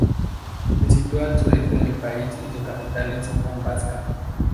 Se sitúa al sureste del país y su capital es Mombasa.